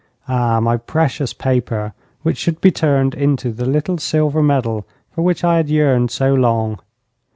Ah, my precious paper, which should be turned into the little silver medal for which I had yearned so long.